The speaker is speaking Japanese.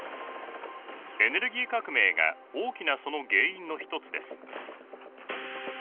エネルギー革命が大きなその原因の一つです。